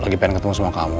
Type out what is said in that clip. lagi pengen ketemu sama kamu